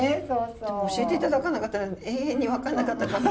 でも教えて頂かなかったら永遠に分かんなかったかも。